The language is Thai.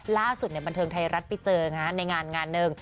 ล่าสุดบันเทิงไทยรัฐไปเจอในงานงานหนึ่ง